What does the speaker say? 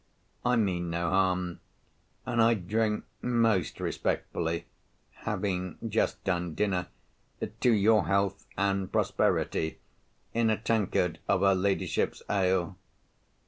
I mean no harm; and I drink most respectfully (having just done dinner) to your health and prosperity, in a tankard of her ladyship's ale.